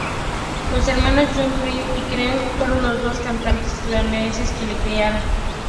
Los hermanos Johnnie Wilder y Keith fueron los dos cantantes estadounidenses que lo crearon.